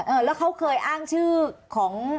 รู้มาก่อนแล้วเขาเคยอ้างชื่อของ